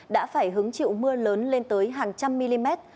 đã phải hứng chịu mưa lớn lên tới hàng trăm mm